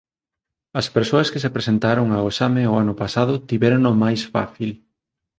As persoas que se presentaron ao exame o ano pasado tivérono máis fácil.